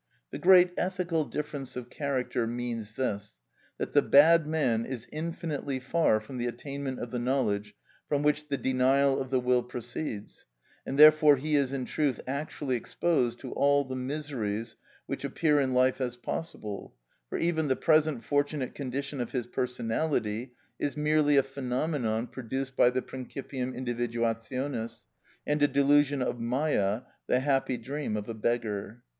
The great ethical difference of character means this, that the bad man is infinitely far from the attainment of the knowledge from which the denial of the will proceeds, and therefore he is in truth actually exposed to all the miseries which appear in life as possible; for even the present fortunate condition of his personality is merely a phenomenon produced by the principium individuationis, and a delusion of Mâyâ, the happy dream of a beggar.